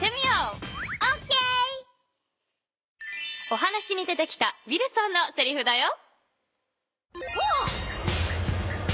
お話に出てきたウィルソンのせりふだよ。